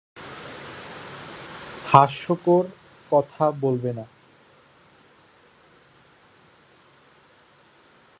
হাস্যকর কথা বলবে না।